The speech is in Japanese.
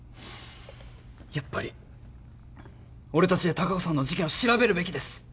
やっぱり俺達で隆子さんの事件を調べるべきです